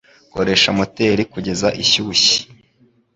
Koresha moteri kugeza ishyushye.